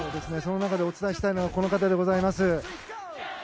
その中でお伝えしたいのはこの方です。